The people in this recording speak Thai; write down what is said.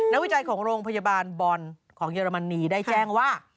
วิจัยของโรงพยาบาลบอลของเยอรมนีได้แจ้งว่า